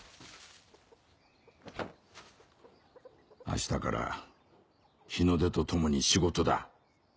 明日から日の出とともに仕事だ。